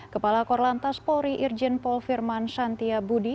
kepala korlantas polri irjen paul firman santia budi